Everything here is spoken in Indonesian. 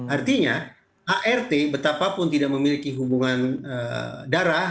artinya art betapapun tidak memiliki hubungan darah